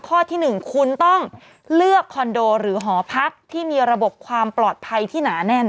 ข้อที่๑คุณต้องเลือกคอนโดหรือหอพักที่มีระบบความปลอดภัยที่หนาแน่น